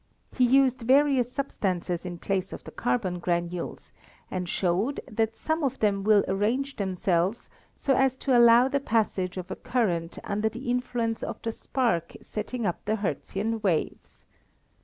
He used various substances in place of the carbon granules and showed that some of them will arrange themselves so as to allow the passage of a current under the influence of the spark setting up the Hertzian waves.